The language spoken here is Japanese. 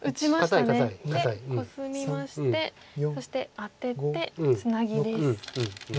堅い堅い。でコスみましてそしてアテてツナギです。